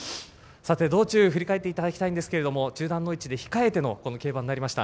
道中、振り返っていただきたいんですけど中団の位置で控えての競馬となりました。